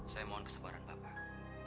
saya mohon kesebaran bapak